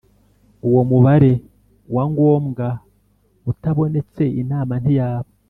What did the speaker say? Uwo Mubare Wa Ngombwa Utabonetse Inama ntiyaba